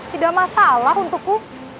tidak masalah untukku